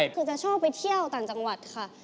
คือจะชอบไปเที่ยวต่างจังหวัดค่ะ